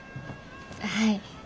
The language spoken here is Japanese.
はい。